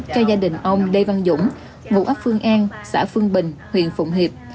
cho gia đình ông lê văn dũng ngụ ấp phương an xã phương bình huyện phụng hiệp